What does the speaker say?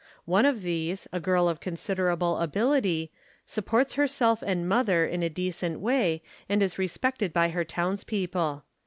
One of these, a girl of considerable ability, supports herself and mother in a decent way and is respected by her townspeople.